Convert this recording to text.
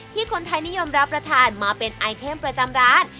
คนไทยนิยมรับประทานมาเป็นไอเทมประจำร้าน